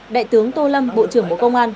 đại tướng tô lâm bộ trưởng bộ công an